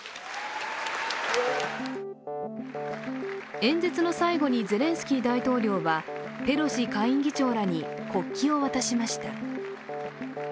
演説の最後にゼレンスキー大統領はペロシ下院議長らに国旗を渡しました。